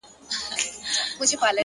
چي له بې ميني ژونده _